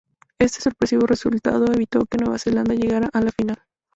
Este sorpresivo resultado evitó que Nueva Zelanda llegara a la final.